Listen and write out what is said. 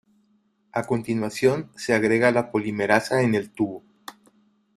A continuación se agrega la polimerasa en el tubo.